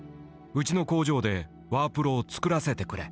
うちの工場でワープロを作らせてくれ」。